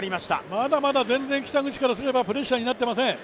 まだまだ全然北口からすればプレッシャーになっていません。